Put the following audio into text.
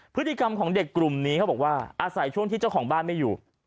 พฤติกรรมของเด็กกลุ่มนี้เขาบอกว่าอาศัยช่วงที่เจ้าของบ้านไม่อยู่